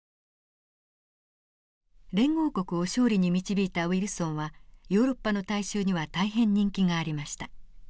連合国を勝利に導いたウィルソンはヨーロッパの大衆には大変人気がありました。